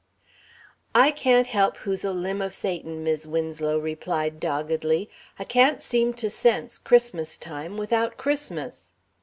"I can't help who's a limb of Satan," Mis' Winslow replied doggedly, "I can't seem to sense Christmas time without Christmas."